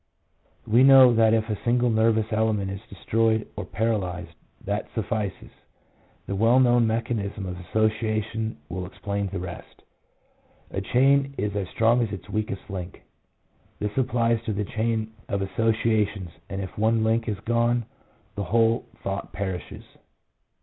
We know that if a single nervous element is destroyed or paralyzed, that suffices: the well known mechanism of association will explain the rest. " A chain is as strong as its weakest link"; this applies to the chain of associations, and if one link is gone the whole thought perishes.